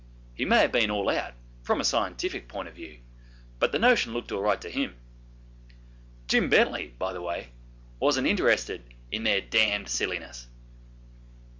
He may have been all out, from a scientific point of view, but the notion looked all right to him. Jim Bently, by the way, wasn't interested in their 'damned silliness'.